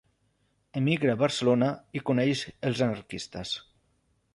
Emigra a Barcelona i coneix els anarquistes.